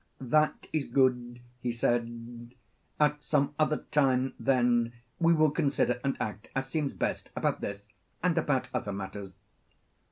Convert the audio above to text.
'That is good,' he said; 'at some other time then we will consider and act as seems best about this and about other matters.'